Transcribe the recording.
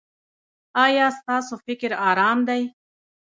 ایا ستاسو فکر ارام دی؟